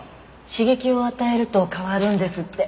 刺激を与えると変わるんですって。